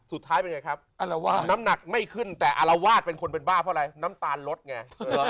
สุดท้ายเป็นไงครับน้ำหนักไม่ขึ้นแต่อารวาสเป็นคนเป็นบ้าเพราะอะไรน้ำตาลลดไง